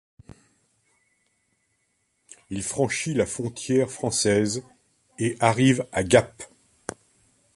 Il franchit la frontière française, et arrive à Gap.